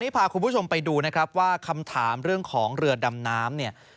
พาคุณผู้ชมไปดูนะครับว่าคำถามเรื่องของเรือดำน้ำเนี่ย